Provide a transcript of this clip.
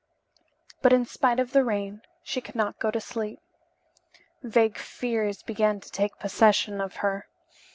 But in spite of the rain she could not go to sleep. Vague fears began to take possession of her.